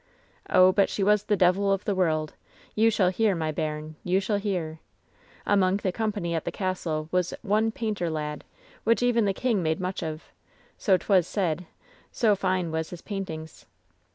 "Oh, but she was the devil of the world. You shall hear, my bairn. You shall hear. Among the company at the castle was ane painter lad, which even the king made much of — so 'twas said — so fine was his paintings.